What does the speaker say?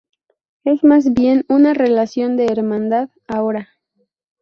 Es más bien una relación de hermandad ahora.